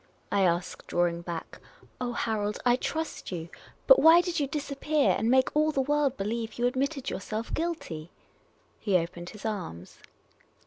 I asked, drawing back. " Oh, Harold, I trust you ; but why did you disappear and make all the world believe you admitted yourself guilty?" He opened his arms.